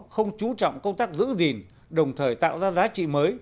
không chú trọng công tác giữ gìn đồng thời tạo ra giá trị mới